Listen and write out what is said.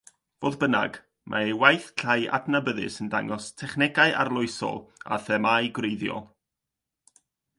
Fodd bynnag, mae ei waith llai adnabyddus yn dangos technegau arloesol a themâu gwreiddiol.